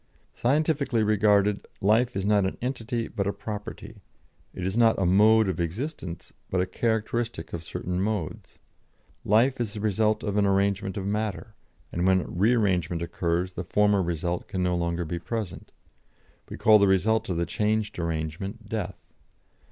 "Scientifically regarded, life is not an entity but a property; it is not a mode of existence, but a characteristic of certain modes. Life is the result of an arrangement of matter, and when rearrangement occurs the former result can no longer be present; we call the result of the changed arrangement death.